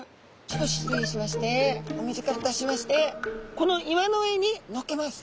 ちょっと失礼しましてお水から出しましてこの岩の上に乗っけます。